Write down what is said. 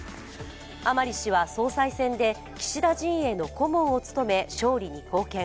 甘利氏は総裁選で、岸田陣営の顧問を務め勝利に貢献。